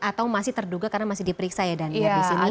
atau masih terduga karena masih diperiksa ya daniar di sini